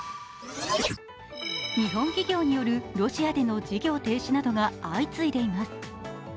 日本企業によるロシアでの事業停止などが相次いでいます。